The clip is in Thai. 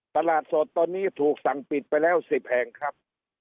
ตลาดสดตอนนี้ถูกสั่งปิดไปแล้ว๑๐แห่งครับ